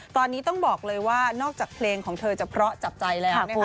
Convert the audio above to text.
ตอนนี้ต้องบอกเลยว่านอกจากเพลงของเธอจะเพราะจับใจแล้วนะคะ